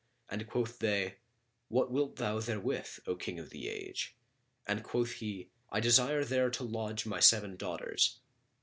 And quoth they, 'What wilt thou therewith, O King of the Age?' And quoth he, 'I desire there to lodge my seven daughters.'